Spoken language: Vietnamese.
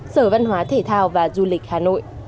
sở văn hóa thể thao và du lịch hà nội